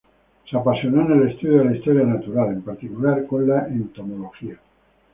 Se apasionó en el estudio de la historia natural, en particular con la entomología.